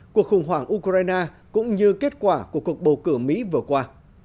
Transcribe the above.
cuộc khủng hoảng ukraine cũng như kết quả của cuộc bầu cử mỹ vừa qua